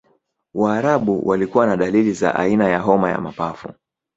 waarabu walikuwa na dalili za aina ya homa ya mapafu